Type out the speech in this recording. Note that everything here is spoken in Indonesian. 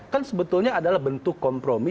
kan sebetulnya adalah bentuk kompromi